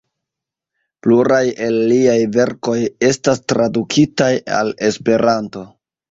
Pluraj el liaj verkoj estas tradukitaj al Esperanto.